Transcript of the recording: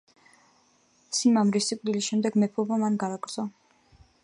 სიმამრის სიკვდილის შემდეგ მეფობა მან განაგრძო.